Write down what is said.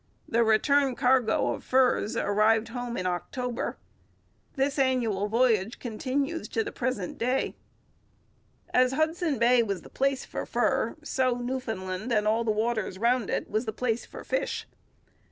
The return cargo of furs arrived home in October. This annual voyage continues to the present day. As Hudson Bay was the place for fur, so Newfoundland, and all the waters round it, was the place for fish.